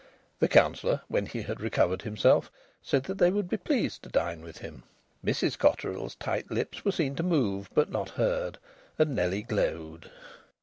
The Councillor, when he had recovered himself, said that they would be pleased to dine with him; Mrs Cotterill's tight lips were seen to move, but not heard; and Nellie glowed.